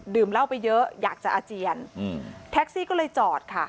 เหล้าไปเยอะอยากจะอาเจียนอืมแท็กซี่ก็เลยจอดค่ะ